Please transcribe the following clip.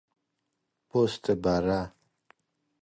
پوست بره